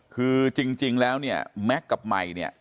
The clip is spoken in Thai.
คือจริงแล้วเนี่ยแม็กซ์กับใหม่เนี่ย